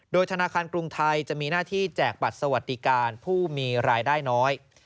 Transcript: โดยธนาคารกรุงไทยจะมีหน้าที่แจกบัตรสวัสดิการผู้มีรายได้น้อย